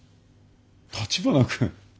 橘君。